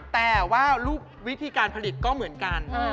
แต่วิธีการผลิตก็เหมือนกัน